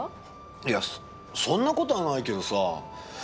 いやそんな事はないけどさ。